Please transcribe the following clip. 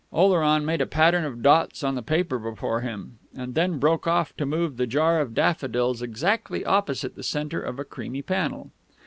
Oleron made a pattern of dots on the paper before him, and then broke off to move the jar of daffodils exactly opposite the centre of a creamy panel.